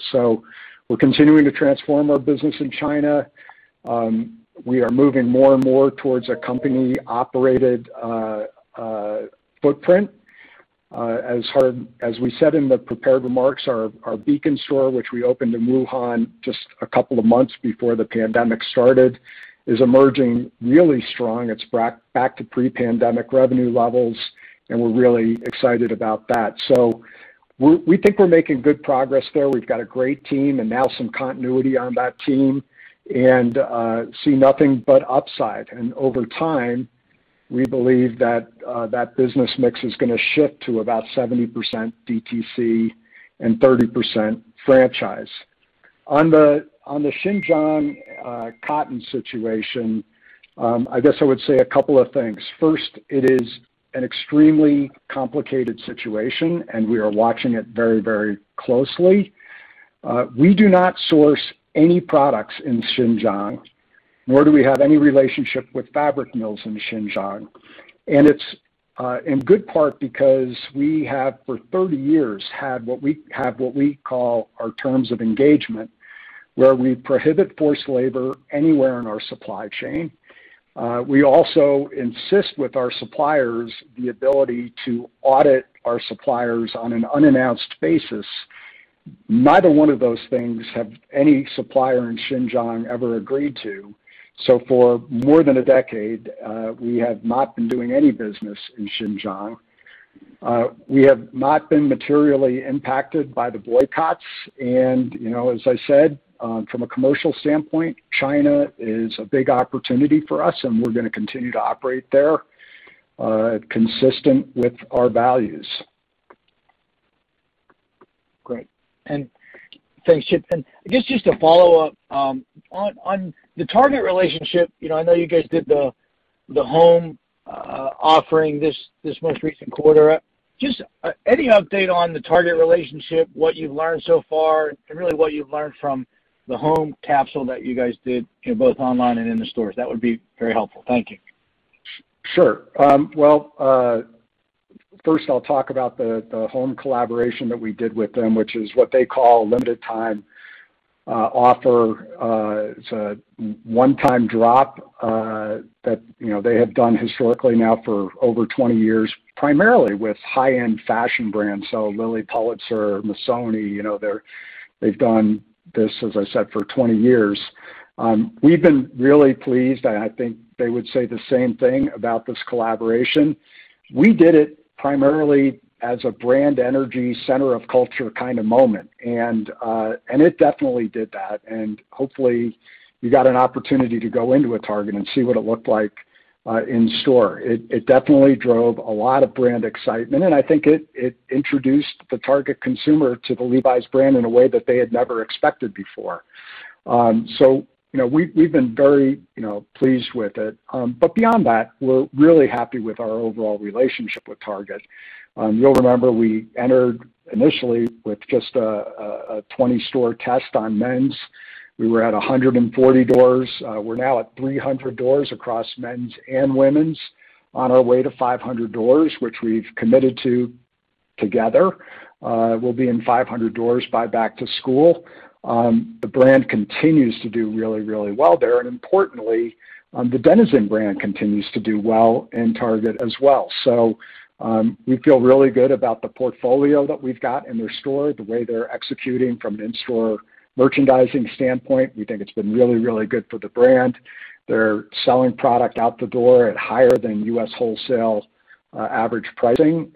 We're continuing to transform our business in China. We are moving more and more towards a company-operated footprint. As we said in the prepared remarks, our beacon store, which we opened in Wuhan just a couple of months before the pandemic started, is emerging really strong. It's back to pre-pandemic revenue levels, and we're really excited about that. We think we're making good progress there. We've got a great team, and now some continuity on that team, and see nothing but upside. Over time, we believe that business mix is going to shift to about 70% DTC and 30% franchise. On the Xinjiang cotton situation, I guess I would say a couple of things. First, it is an extremely complicated situation, and we are watching it very closely. We do not source any products in Xinjiang, nor do we have any relationship with fabric mills in Xinjiang. It's in good part because we have, for 30 years, had what we call our terms of engagement, where we prohibit forced labor anywhere in our supply chain. We also insist with our suppliers the ability to audit our suppliers on an unannounced basis. Neither one of those things have any supplier in Xinjiang ever agreed to. For more than a decade, we have not been doing any business in Xinjiang. We have not been materially impacted by the boycotts. As I said, from a commercial standpoint, China is a big opportunity for us, and we're going to continue to operate there, consistent with our values. Great. Thanks, Chip. I guess just to follow up, on the Target relationship, I know you guys did the home offering this most recent quarter. Just any update on the Target relationship, what you've learned so far, and really what you've learned from the home capsule that you guys did both online and in the stores? That would be very helpful. Thank you. Sure. Well, first I'll talk about the home collaboration that we did with them, which is what they call a limited time offer. It's a 1x drop that they have done historically now for over 20 years, primarily with high-end fashion brands. Lilly Pulitzer, Missoni. They've done this, as I said, for 20 years. We've been really pleased, and I think they would say the same thing about this collaboration. We did it primarily as a brand energy center of culture kind of moment. It definitely did that, and hopefully you got an opportunity to go into a Target and see what it looked like in store. It definitely drove a lot of brand excitement, and I think it introduced the Target consumer to the Levi's brand in a way that they had never expected before. We've been very pleased with it. Beyond that, we're really happy with our overall relationship with Target. You'll remember we entered initially with just a 20-store test on men's. We were at 140 doors. We're now at 300 doors across men's and women's, on our way to 500 doors, which we've committed to together. We'll be in 500 doors by back to school. The brand continues to do really well there. Importantly, the Denizen brand continues to do well in Target as well. We feel really good about the portfolio that we've got in their store, the way they're executing from an in-store merchandising standpoint. We think it's been really good for the brand. They're selling product out the door at higher than U.S. wholesale average pricing,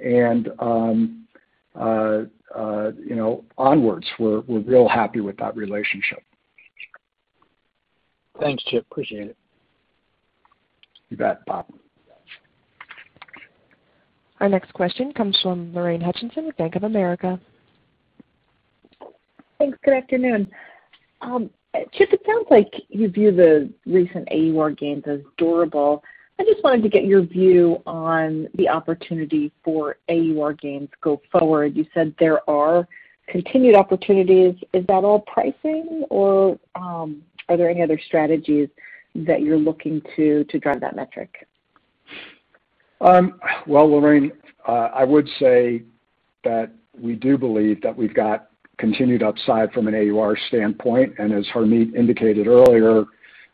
and onwards. We're real happy with that relationship. Thanks, Chip. Appreciate it. You bet, Bob. Our next question comes from Lorraine Hutchinson with Bank of America. Thanks. Good afternoon. Chip, it sounds like you view the recent AUR gains as durable. I just wanted to get your view on the opportunity for AUR gains go forward. You said there are continued opportunities. Is that all pricing, or are there any other strategies that you're looking to drive that metric? Well, Lorraine, I would say that we do believe that we've got continued upside from an AUR standpoint. As Harmit indicated earlier,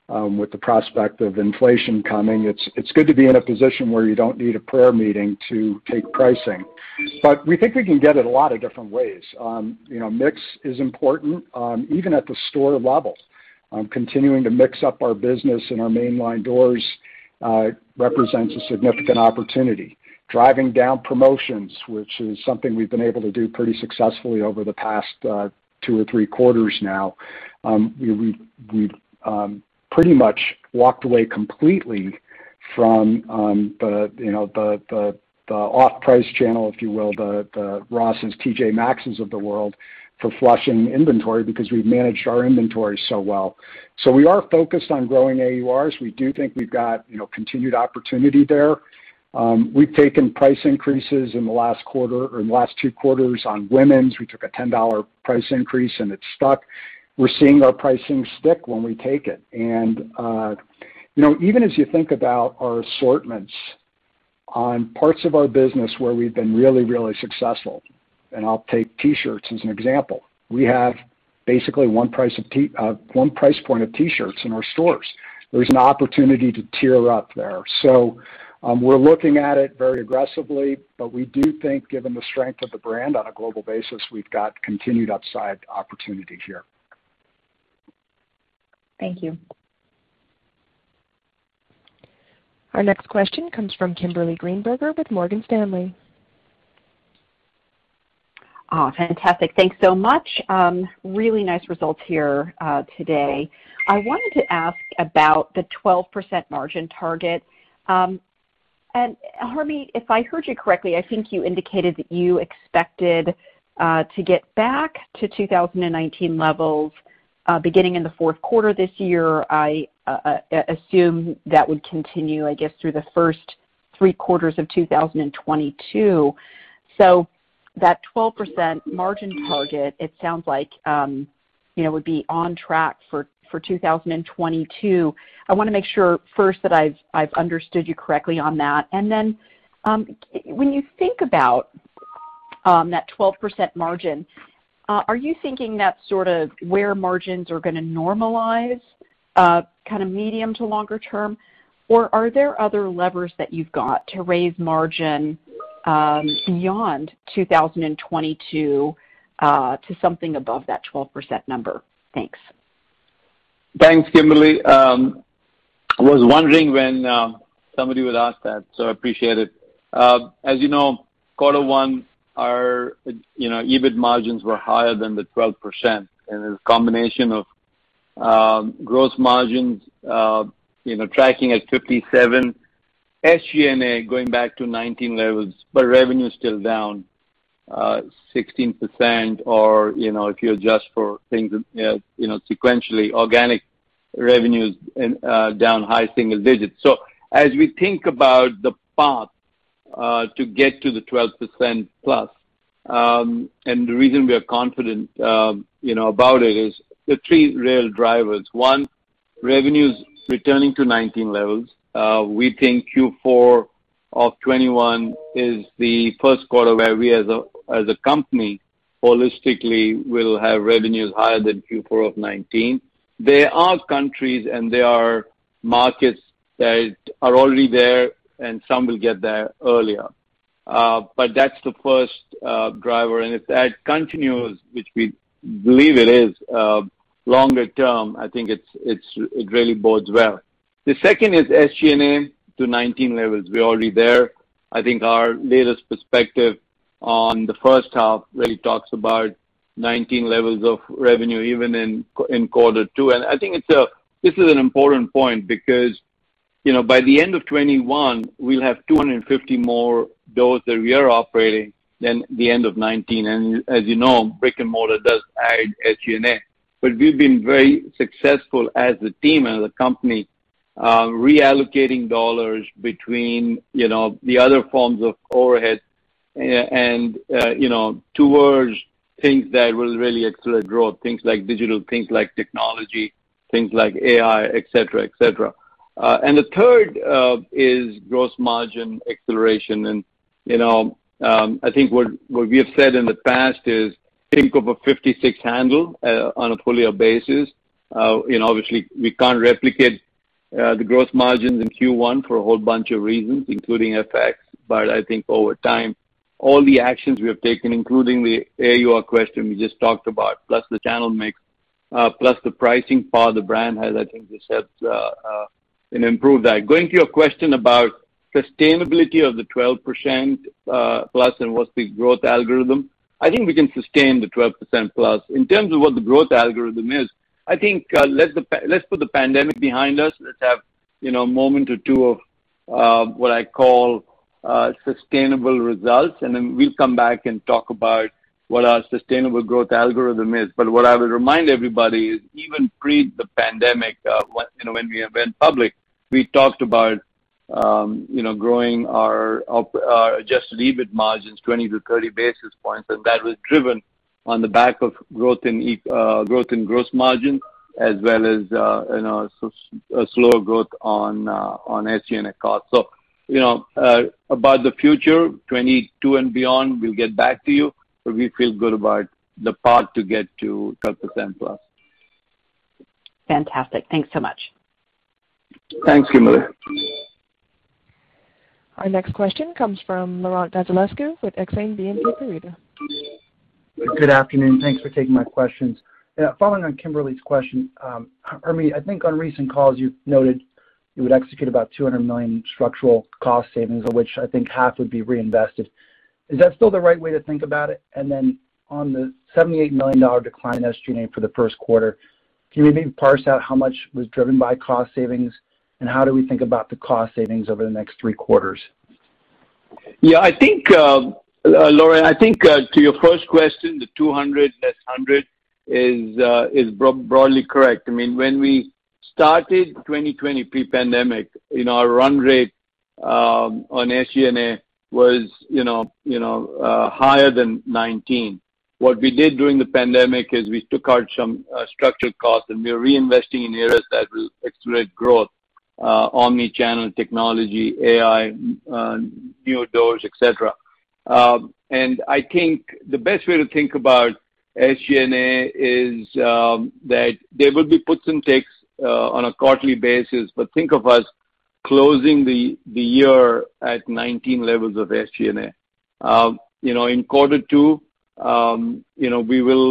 with the prospect of inflation coming, it's good to be in a position where you don't need a prayer meeting to take pricing. We think we can get it a lot of different ways. Mix is important, even at the store level. Continuing to mix up our business and our mainline doors represents a significant opportunity. Driving down promotions, which is something we've been able to do pretty successfully over the past two or three quarters now. We've pretty much walked away completely from the off-price channel, if you will, the Ross, T.J. Maxx's of the world for flushing inventory because we've managed our inventory so well. We are focused on growing AURs. We do think we've got continued opportunity there. We've taken price increases in the last two quarters on women's. We took a $10 price increase, it stuck. We're seeing our pricing stick when we take it. Even as you think about our assortments on parts of our business where we've been really, really successful, I'll take T-shirts as an example. We have basically one price point of T-shirts in our stores. There is an opportunity to tier up there. We're looking at it very aggressively. We do think given the strength of the brand on a global basis, we've got continued upside opportunity here. Thank you. Our next question comes from Kimberly Greenberger with Morgan Stanley. Fantastic. Thanks so much. Really nice results here today. I wanted to ask about the 12% margin target. Harmit, if I heard you correctly, I think you indicated that you expected to get back to 2019 levels, beginning in the fourth quarter this year. I assume that would continue, I guess, through the first three quarters of 2022. That 12% margin target, it sounds like would be on track for 2022. I want to make sure first that I've understood you correctly on that. When you think about that 12% margin, are you thinking that's sort of where margins are going to normalize, kind of medium to longer term? Are there other levers that you've got to raise margin beyond 2022 to something above that 12% number? Thanks. Thanks, Kimberly. I was wondering when somebody would ask that, so I appreciate it. As you know, quarter one, our EBIT margins were higher than 12%, and it's a combination of gross margins tracking at 57%, SG&A going back to 2019 levels, but revenue is still down 16%. If you adjust for things sequentially, organic revenues down high single digits. As we think about the path to get to the 12%+, and the reason we are confident about it is the three real drivers. One, revenues returning to 2019 levels. We think Q4 of 2021 is the first quarter where we as a company, holistically, will have revenues higher than Q4 of 2019. There are countries and there are markets that are already there, and some will get there earlier. That's the first driver, and if that continues, which we believe it is, longer term, I think it really bodes well. The second is SG&A to 2019 levels. We're already there. I think our latest perspective on the first half really talks about 2019 levels of revenue even in quarter two. I think this is an important point because by the end of 2021, we'll have 250 more doors that we are operating than the end of 2019. As you know, brick and mortar does add SG&A. We've been very successful as a team and as a company reallocating dollars between the other forms of overhead and towards things that will really accelerate growth, things like digital, things like technology, things like AI, et cetera. The third is gross margin acceleration. I think what we have said in the past is think of a 56 handle on a full-year basis. Obviously, we can't replicate the gross margins in Q1 for a whole bunch of reasons, including FX. I think over time, all the actions we have taken, including the AUR question we just talked about, plus the channel mix, plus the pricing power the brand has, I think this helps improve that. Going to your question about sustainability of the 12%+ and what's the growth algorithm, I think we can sustain the 12%+. In terms of what the growth algorithm is, I think let's put the pandemic behind us. Let's have a moment or two of what I call sustainable results, and then we'll come back and talk about what our sustainable growth algorithm is. What I would remind everybody is even pre the pandemic, when we went public, we talked about growing our adjusted EBIT margins 20 to 30 basis points, and that was driven on the back of growth in gross margin, as well as slower growth on SG&A costs. About the future, 2022 and beyond, we'll get back to you, but we feel good about the path to get to 12%+. Fantastic. Thanks so much. Thanks, Kimberly. Our next question comes from Laurent Vasilescu with Exane BNP Paribas. Good afternoon. Thanks for taking my questions. Following on Kimberly's question, Harmit, I think on recent calls, you've noted you would execute about $200 million structural cost savings, of which I think half would be reinvested. Is that still the right way to think about it? Then on the $78 million decline in SG&A for the first quarter, can you maybe parse out how much was driven by cost savings, and how do we think about the cost savings over the next three quarters? Yeah, Laurent, I think to your first question, the $200 less $100 is broadly correct. When we started 2020 pre-pandemic, our run rate on SG&A was higher than 2019. What we did during the pandemic is we took out some structural costs, and we're reinvesting in areas that will accelerate growth. Omnichannel, technology, AI, new doors, et cetera. I think the best way to think about SG&A is that there will be puts and takes on a quarterly basis. Think of us closing the year at 2019 levels of SG&A. In quarter two, we will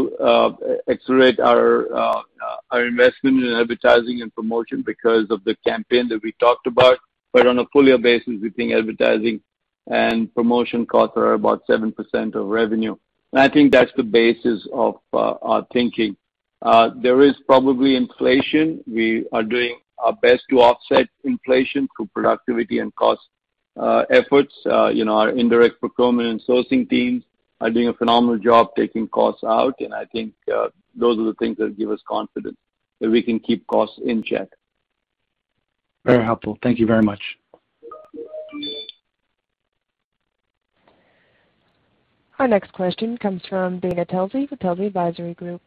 accelerate our investment in advertising and promotion because of the campaign that we talked about. On a full year basis, we think advertising and promotion costs are about 7% of revenue. I think that's the basis of our thinking. There is probably inflation. We are doing our best to offset inflation through productivity and cost efforts. Our indirect procurement and sourcing teams are doing a phenomenal job taking costs out. I think those are the things that give us confidence that we can keep costs in check. Very helpful. Thank you very much. Our next question comes from Dana Telsey with Telsey Advisory Group.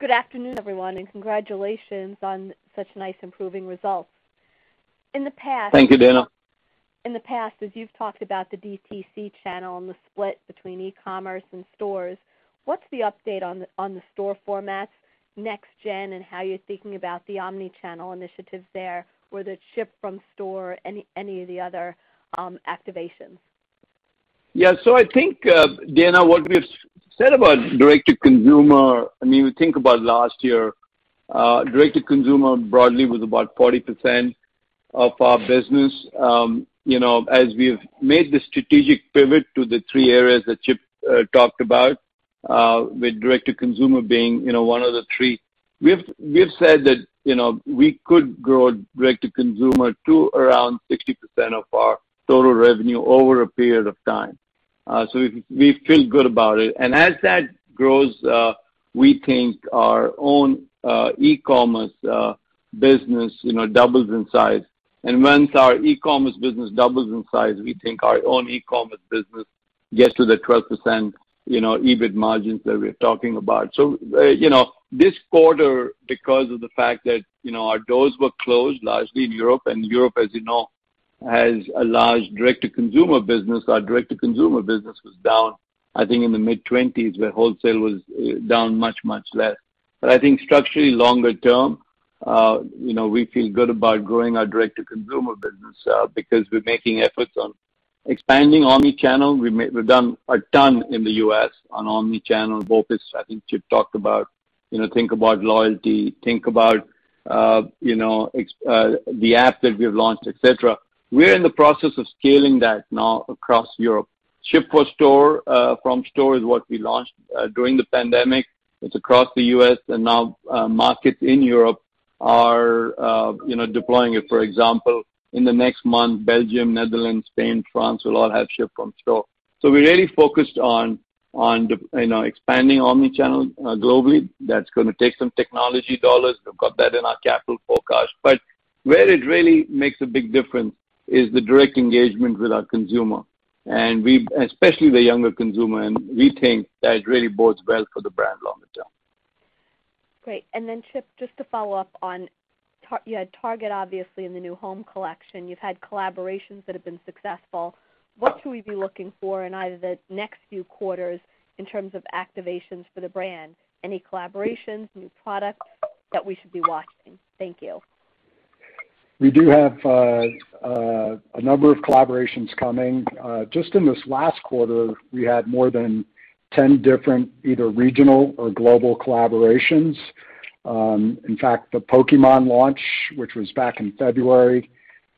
Good afternoon, everyone, and congratulations on such nice improving results. Thank you, Dana. In the past, as you've talked about the DTC channel and the split between e-commerce and stores, what's the update on the store format next gen, and how you're thinking about the omni-channel initiatives there, or the ship from store, any of the other activations? I think, Dana, what we've said about direct-to-consumer, think about last year. Direct-to-consumer broadly was about 40% of our business. As we've made the strategic pivot to the three areas that Chip talked about, with direct-to-consumer being one of the three. We've said that we could grow direct-to-consumer to around 60% of our total revenue over a period of time. We feel good about it. As that grows, we think our own e-commerce business doubles in size. Once our e-commerce business doubles in size, we think our own e-commerce business gets to the 12% EBIT margins that we're talking about. This quarter, because of the fact that our doors were closed largely in Europe, and Europe, as you know, has a large direct-to-consumer business. Our direct-to-consumer business was down, I think, in the mid-20s, where wholesale was down much, much less. I think structurally longer term; we feel good about growing our direct-to-consumer business because we're making efforts on expanding omni-channel. We've done a ton in the U.S. on omni-channel BOPIS. I think Chip talked about think about loyalty, think about the app that we've launched, et cetera. We're in the process of scaling that now across Europe. Ship from store is what we launched during the pandemic. It's across the U.S. and now markets in Europe are deploying it. For example, in the next month, Belgium, Netherlands, Spain, France will all have ship from store. We're really focused on expanding omni-channel globally. That's going to take some technology dollars. We've got that in our capital forecast. Where it really makes a big difference is the direct engagement with our consumer, and especially the younger consumer, and we think that really bodes well for the brand longer term. Great. Chip, just to follow up on, you had Target, obviously, in the new home collection. You've had collaborations that have been successful. What should we be looking for in either the next few quarters in terms of activations for the brand? Any collaborations, new products that we should be watching? Thank you. We do have a number of collaborations coming. Just in this last quarter, we had more than 10 different either regional or global collaborations. In fact, the Pokémon launch, which was back in February,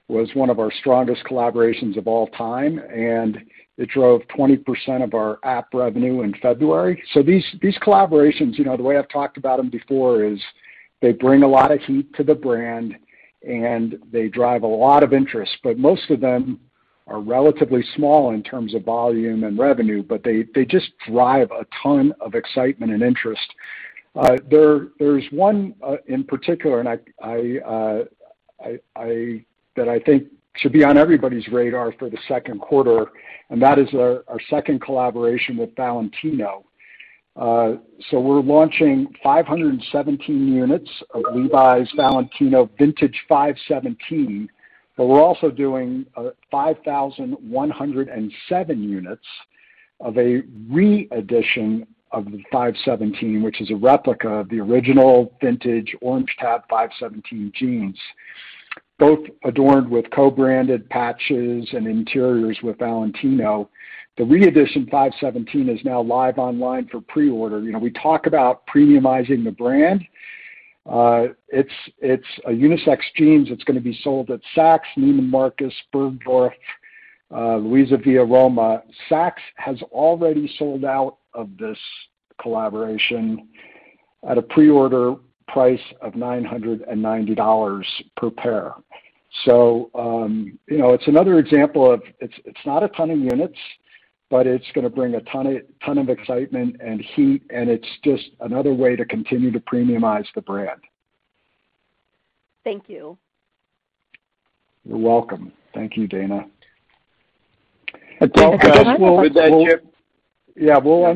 was one of our strongest collaborations of all time, and it drove 20% of our app revenue in February. These collaborations, the way I've talked about them before is they bring a lot of heat to the brand, and they drive a lot of interest. Most of them are relatively small in terms of volume and revenue, but they just drive a ton of excitement and interest. There's one in particular that I think should be on everybody's radar for the second quarter, and that is our second collaboration with Valentino. We're launching 517 units of Levi's Valentino Vintage 517, but we're also doing 5,107 units of a re-edition of the 517, which is a replica of the original vintage Orange Tab 517 jeans, both adorned with co-branded patches and interiors with Valentino. The re-edition 517 is now live online for pre-order. We talk about premiumizing the brand. It's a unisex jean that's going to be sold at Saks, Neiman Marcus, Bergdorf, LuisaViaRoma. Saks has already sold out of this collaboration at a pre-order price of $990 per pair. It's another example of it's not a ton of units, but it's going to bring a ton of excitement and heat, and it's just another way to continue to premiumize the brand. Thank you. You're welcome. Thank you, Dana. Welcome. With that, Chip? Yeah, we'll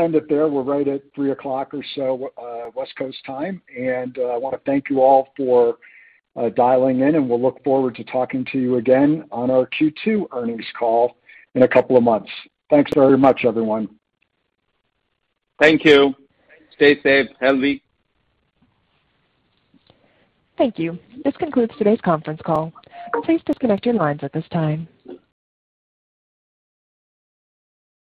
end it there. We're right at 3:00 P.M. or so West Coast time. I want to thank you all for dialing in, and we'll look forward to talking to you again on our Q2 earnings call in a couple of months. Thanks very much, everyone. Thank you. Stay safe, healthy. Thank you. This concludes today's conference call. Please disconnect your lines at this time.